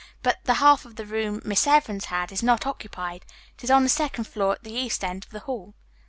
But the half of the room Miss Evans had is not occupied. It is on the second floor at the east end of the hall."